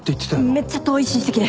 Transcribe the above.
めっちゃ遠い親戚で。